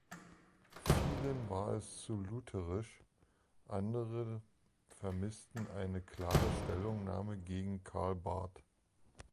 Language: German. Vielen war es zu lutherisch, andere vermissten eine klare Stellungnahme gegen Karl Barth.